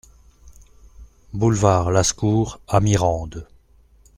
Boulevard Lascours à Mirande